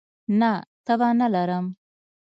نه، تبه نه لرم